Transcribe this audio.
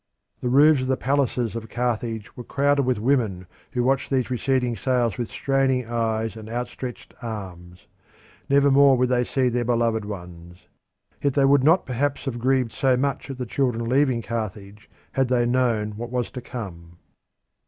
The roofs of the palaces of Carthage were crowded with women who watched these receding sails with straining eyes and outstretched arms. Never more would they see their beloved ones. Yet they would not perhaps have grieved so much at the children leaving Carthage had they known what was to come.